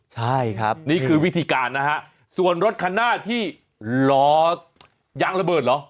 ใช่ครับนี่คือวิธีการนะฮะส่วนรถคันหน้าที่รอยางระเบิดเหรอ